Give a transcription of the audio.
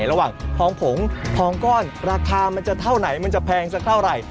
ระหว่างทองผงทองก้อนราคามันจะเท่าไหนมันจะแพงสักเท่าไหร่